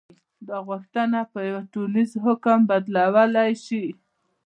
دا غوښتنه په یوه ټولیز حکم بدلېدلی شي.